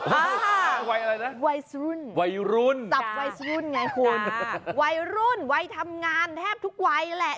วัยอะไรนะวัยรุ่นวัยรุ่นจับวัยรุ่นไงคุณวัยรุ่นวัยทำงานแทบทุกวัยแหละ